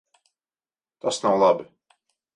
Tas nav labi.